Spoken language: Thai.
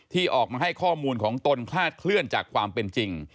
ที่ออกมาให้ข้อมูลของตนคลาดเคลื่อนจากความเป็นจริง